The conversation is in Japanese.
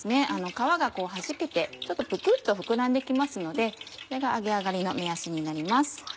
皮がはじけてちょっとプクっと膨らんで来ますのでそれが揚げ上がりの目安になります。